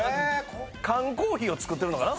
缶コーヒーを作ってるのかな？